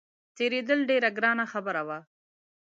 تېرېدل ډېره ګرانه خبره وه.